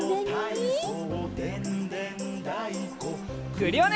クリオネ！